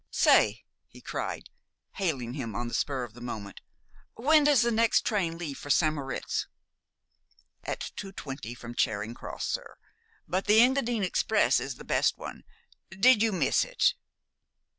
"Say," he cried, hailing him on the spur of the moment, "when does the next train leave for St. Moritz?" "At two twenty from Charing Cross, sir. But the Engadine Express is the best one. Did you miss it?"